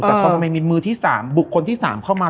แต่ก็ทำไมมีมือที่สามบุกคนที่สามเข้ามา